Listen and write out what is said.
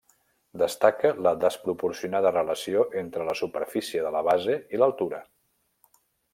Destaca la desproporcionada relació entre la superfície de la base i l'altura.